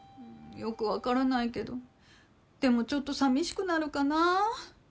よく分からないけどでもちょっとさみしくなるかな。